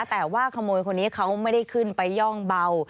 แต่ว่าขโมยคนนี้เขาไม่ได้ขึ้นไปย่องเบา